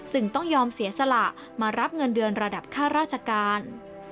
ต้องยอมเสียสละมารับเงินเดือนระดับค่าราชการ